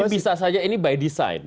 jadi bisa saja ini by design